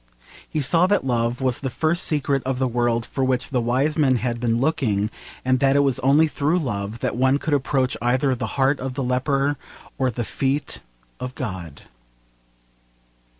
He saw that love was the first secret of the world for which the wise men had been looking, and that it was only through love that one could approach either the heart of the leper or the feet of God.